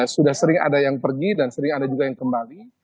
sudah sering ada yang pergi dan sering ada juga yang kembali